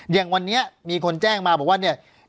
อย่างวันนี้มีคนแจ้งมาบอกว่าเนี่ย